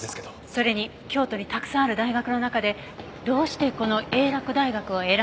それに京都にたくさんある大学の中でどうしてこの英洛大学を選んだのか？